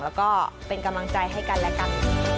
แล้วก็เป็นกำลังใจให้กันและกัน